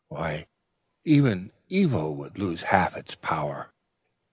Why, even Evil would lose half its power!'